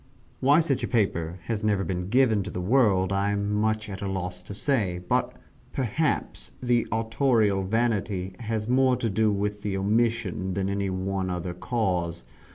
Why such a paper has never been given to the world, I am much at a loss to say but, perhaps, the autorial vanity has had more to do with the omission than any one other cause.